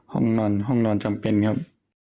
ห้องนอนห้องนอนจำเป็นครับ